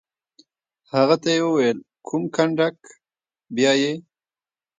هغه ته یې وویل: کوم کنډک؟ بیا یې.